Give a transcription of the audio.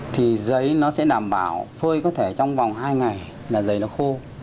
thì giấy nó sẽ đảm bảo phơi có thể trong vòng hai ngày là dày nó khô